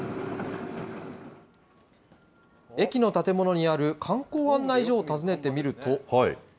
駅の建物にある観光案内所を訪ねてみると。